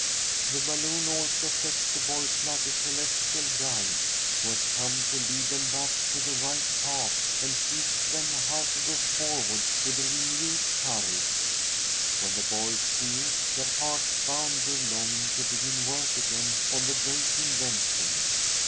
The balloon also affects the boys like a celestial guide, who has come to lead them back to the right path and teach them how to go forward with renewed courage. When the boys see it, their hearts bound with longing to begin work again on the great invention.